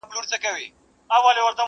موږ به کله تر منزل پوري رسیږو!.